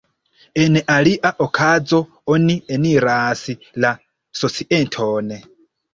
En alia okazo oni eniras la societon.